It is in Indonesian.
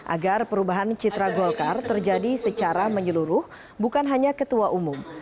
agar perubahan citra golkar terjadi secara menyeluruh bukan hanya ketua umum